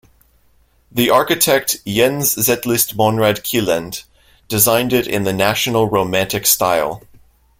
The architect, Jens Zetlitz Monrad Kielland, designed it in the National Romantic style.